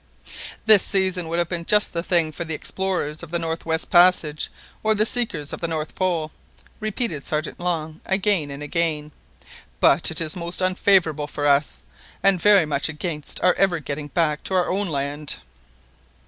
"This season would have been just the thing for the explorers of the North West Passage, or the seekers of the North Pole," repeated Sergeant Long again and again, "but it is most unfavourable for us, and very much against our ever getting back to our own land!"